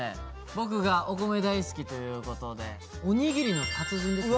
僕がお米大好きということでおにぎりの達人ですね。